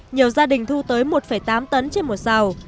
nhiều gia đình thu tới một tám tấn trên một xào